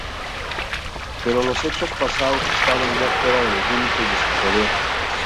Pero los hechos pasados estaban ya fuera de los límites de su poder.